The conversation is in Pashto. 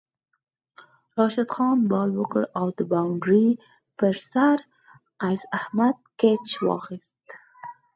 راشد خان بال وکړ او د بونډرۍ پر سر قیص احمد کیچ واخیست